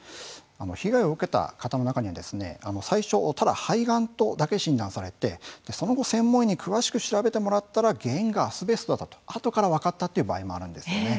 被害を受けた方の中には最初ただ肺がんとだけ診断されてその後、専門医に詳しく調べてもらったら原因がアスベストだったとあとから分かったという場合もあるんですよね。